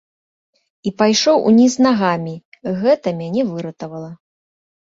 Я пайшоў уніз нагамі, і гэта мяне выратавала.